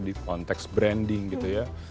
di konteks branding gitu ya